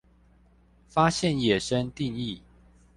發現野生定義